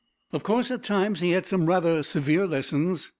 Of course, at times he had some rather severe lessons.